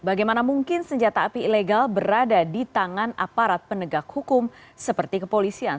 bagaimana mungkin senjata api ilegal berada di tangan aparat penegak hukum seperti kepolisian